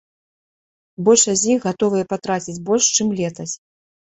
Большасць з іх гатовыя патраціць больш, чым летась.